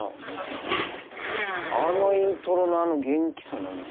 あのイントロのあの元気さなんて。